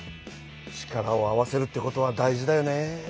力を合わせるってことは大事だよね。